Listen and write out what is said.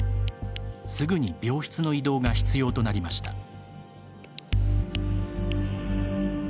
すぐに病室の移動が必要となりました。